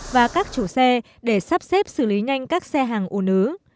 và các chủ xe để sắp xếp xử lý nhanh các xe hàng ùn ứ